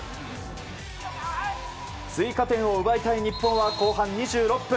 追加点を奪いたい日本は後半２６分。